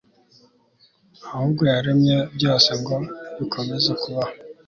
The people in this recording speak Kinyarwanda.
ahubwo yaremye byose ngo bikomeze kubaho